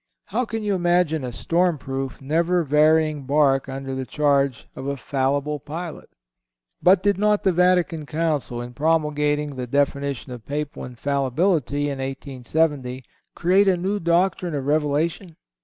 How can you imagine a stormproof, never varying bark under the charge of a fallible Pilot? But did not the Vatican Council in promulgating the definition of Papal Infallibility in 1870, create a new doctrine of revelation?